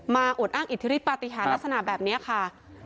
มาอดอ้างอิทธิฤติปลาติฮาลักษณะแบบนี้ค่ะ